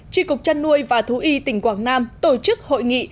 tri cục chăn nuôi và thú y tỉnh quảng nam tổ chức hội nghị